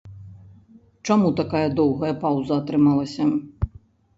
Чаму такая доўгая паўза атрымалася?